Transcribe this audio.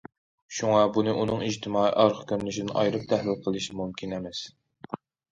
شۇڭا بۇنى ئۇنىڭ ئىجتىمائىي ئارقا كۆرۈنۈشىدىن ئايرىپ تەھلىل قىلىش مۇمكىن ئەمەس.